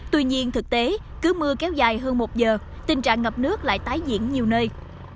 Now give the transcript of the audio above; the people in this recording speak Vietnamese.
tuy nhiên thực tế cứ mưa kéo dài hơn một giờ tình trạng ngập nước lại tái diễn nhiều nơi